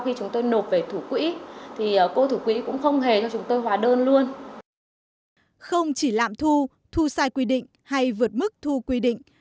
không chỉ lạm thu thu sai quy định hay vượt mức thu quy định